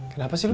kenapa sih lo